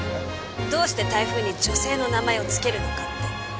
どうして台風に女性の名前をつけるのかって。